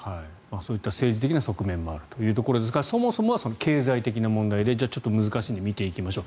そういった政治的な側面もあるということですがそもそもは経済的な問題で難しいので見ていきましょう。